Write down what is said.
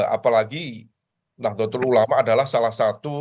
apalagi nahdlatul ulama adalah salah satu